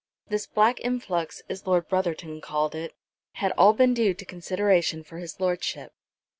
This black influx, as Lord Brotherton called it, had all been due to consideration for his Lordship.